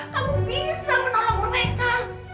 kamu bisa menolong mereka